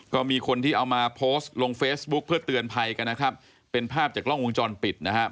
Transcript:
ก็มีคนที่เอามาโพสต์ลงเฟซบุ๊คเพื่อเตือนภัยกันนะครับเป็นภาพจากกล้องวงจรปิดนะครับ